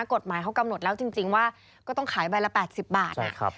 กฎหมายเขากำหนดแล้วจริงว่าก็ต้องขายใบละ๘๐บาท